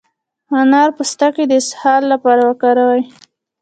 د انار پوستکی د اسهال لپاره وکاروئ